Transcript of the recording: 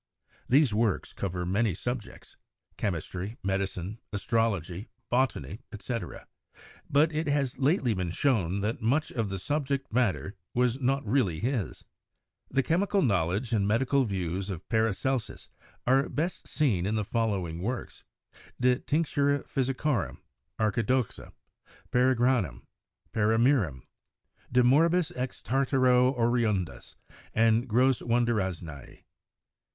These works cover many subjects — chemistry, medicine, astrology, botany, etc. — but it has lately been shown that much of the subject matter was not really his. The chemi cal knowledge and medical views of Paracelsus are best seen in the following works : 'De Tinctura Physicorum,' 'Archidoxa/ 'Paragranum,' 'Paramirum/ 'De morbis ex Tartaro Oriundis' and 'Grosse Wundarznei.'